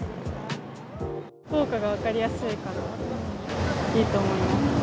効果が分かりやすいからいいと思います。